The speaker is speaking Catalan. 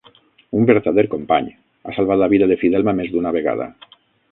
Un vertader company, ha salvat la vida de Fidelma més d'una vegada.